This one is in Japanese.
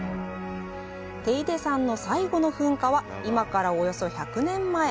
テイデ山の最後の噴火は今からおよそ１００年前。